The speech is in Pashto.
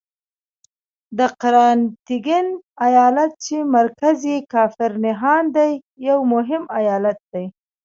د قراتګین ایالت چې مرکز یې کافر نهان دی یو مهم ایالت دی.